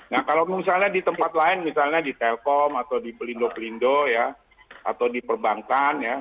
nah kalau misalnya di tempat lain misalnya di telkom atau di pelindo pelindo ya atau di perbankan ya